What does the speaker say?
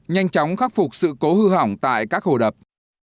nhanh chóng khắc phục sự cố hư hỏng tại các hồ đập